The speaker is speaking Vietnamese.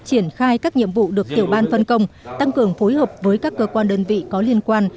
triển khai các nhiệm vụ được tiểu ban phân công tăng cường phối hợp với các cơ quan đơn vị có liên quan